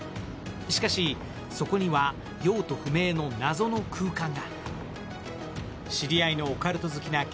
しかしそこには用途不明の謎の空間が。